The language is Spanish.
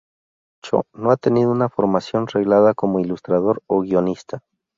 Cho no ha tenido una formación reglada como ilustrador o guionista.